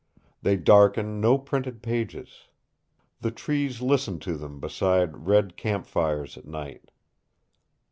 They darken no printed pages. The trees listen to them beside red camp fires at night.